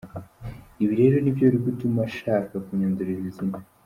Ibi rero nibyo biri gutuma shaka kunyanduriza izina.